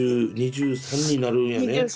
２０２３になるんやね。